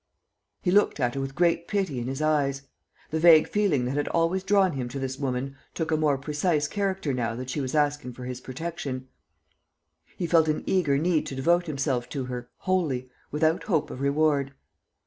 He looked at her with great pity in his eyes. The vague feeling that had always drawn him to this woman took a more precise character now that she was asking for his protection. He felt an eager need to devote himself to her, wholly, without hope of reward.